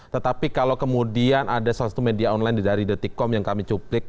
tetapi kalau kemudian ada salah satu media online dari detikom yang kami cuplik